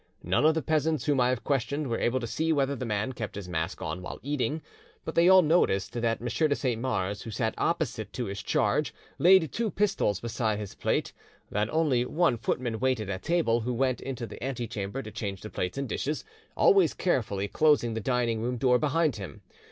None of the peasants whom I have questioned were able to see whether the man kept his mask on while eating, but they all noticed that M. de Saint Mars, who sat opposite to his charge, laid two pistols beside his plate; that only one footman waited at table, who went into the antechamber to change the plates and dishes, always carefully closing the dining room door behind him.